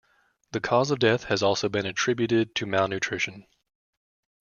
The cause of death has also been attributed to malnutrition.